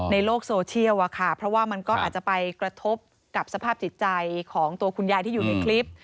ในโลกโซเชียลอะค่ะเพราะว่ามันก็อาจจะไปกระทบกับสภาพจิตใจของตัวคุณยายที่อยู่ในคลิป